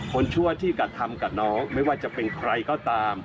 ชั่วที่กระทำกับน้องไม่ว่าจะเป็นใครก็ตาม